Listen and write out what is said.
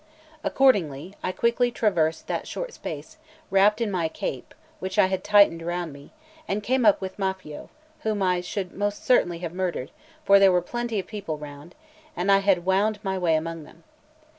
Accordingly, I quickly traversed that short space, wrapped in my cape, which I had tightened round me, and came up with Maffio, whom I should most certainly have murdered, for there were plenty of people round, and I had wound my way among them.